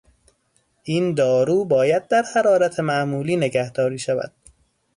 این دارو باید در حرارت معمولی نگهداری شود.